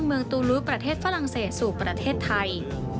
เมืองตูลูประเทศฝรั่งเศสสู่ประเทศไทย